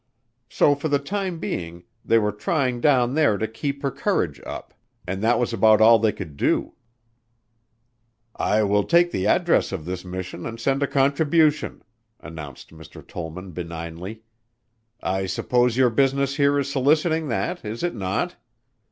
So for the time being they were trying down there to keep her courage up, and that was about all they could do." "I will take the address of this mission and send a contribution," announced Mr. Tollman benignly. "I suppose your business here is soliciting that is it not?"